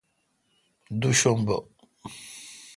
دو شنبہ